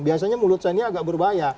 biasanya mulut saya ini agak berbahaya